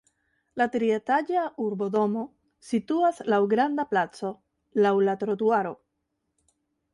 La trietaĝa urbodomo situas laŭ granda placo, laŭ la trotuaro.